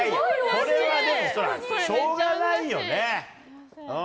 これはね、しょうがないよね。